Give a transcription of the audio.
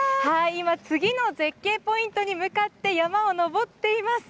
次の絶景ポイントに向かって山を登っています。